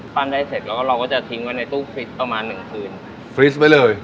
ปั้นได้เสร็จแล้วก็เราก็จะทิ้งไว้ในตู้ฟิตประมาณหนึ่งคืนฟรีสไว้เลย